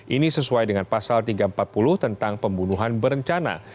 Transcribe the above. ini sesuai dengan pasal tiga ratus empat puluh tentang pembunuhan berencana